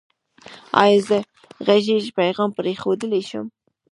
ایا زه غږیز پیغام پریښودلی شم؟